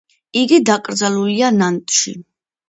იგი დაკრძალულია ნანტში.